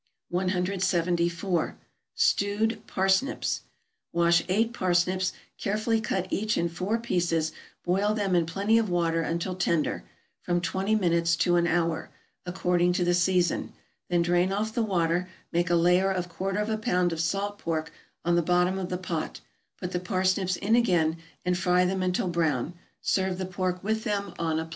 174. =Stewed Parsnips.= Wash eight parsnips, carefully cut each in four pieces, boil them in plenty of water, until tender, from twenty minutes to an hour, according to the season; then drain off the water, make a layer of quarter of a pound of salt pork on the bottom of the pot, put the parsnips in again, and fry them until brown; serve the pork with them on a platter.